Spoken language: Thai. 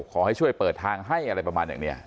ขอให้ช่วยเปิดทางให้อะไรประมาณอย่างนี้